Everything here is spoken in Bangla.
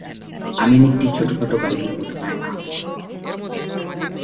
আমিন একটি ছোটখাটো গাড়ি দুর্ঘটনায় আহত হন।